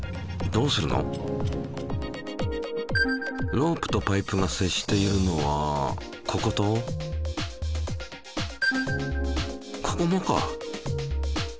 ロープとパイプが接しているのはこことここもか。